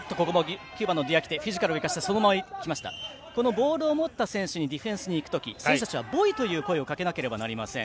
ボールを持った選手にディフェンスにいくとき選手たちはボイという声をかけなければいけません。